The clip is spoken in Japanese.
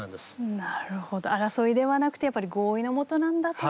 なるほど争いではなくてやっぱり合意の下なんだという。